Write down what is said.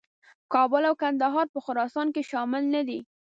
کابل او کندهار په خراسان کې شامل نه دي.